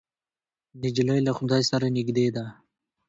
نجلۍ له خدای سره نږدې ده.